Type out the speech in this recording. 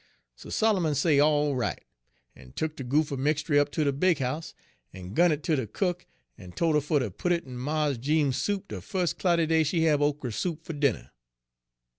Page 78 "So Solomon say all right, en tuk de goopher mixtry up ter de big house en gun it ter de cook, en tol' her fer ter put it in Mars Jeems's soup de fus' cloudy day she hab okra soup fer dinnah.